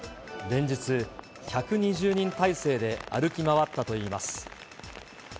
連日、１２０人態勢で歩き回ったといいます。